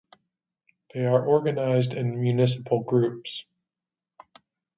They are organised in municipal groups.